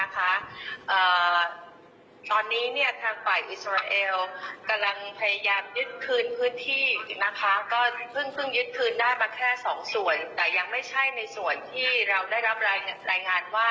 แค่สองส่วนแต่ยังไม่ใช่ในส่วนที่เราได้รับรายงานว่า